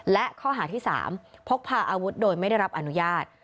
และข้อหาที่๓พกพาอาวุธโดยไม่ได้รับอนุญาต